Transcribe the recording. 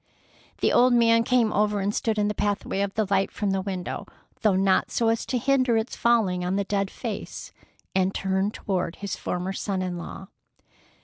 The old man came over and stood in the pathway of light from the window, though not so as to hinder its falling on the dead face, and turned toward his former son in law.